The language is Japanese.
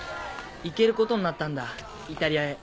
行けることになったんだイタリアへ。